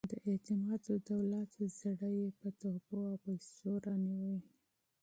د اعتمادالدولة زړه یې په تحفو او پیسو رانیوی.